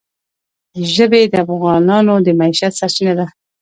ژبې د افغانانو د معیشت سرچینه ده.